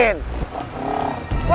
dian dian bantuin dia